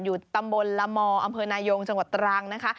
อยู่ตำบลละมออำเภอนายงจังหวัดตรังนะคะ